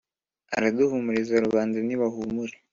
araduhumuriza rubanda ni bahumure